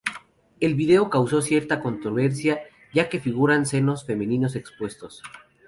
El video causó cierta controversia, ya que figuran senos femeninos expuestos.